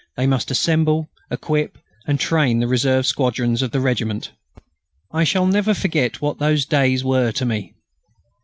They must assemble, equip, and train the reserve squadrons of the regiment. I shall never forget what those days were to me.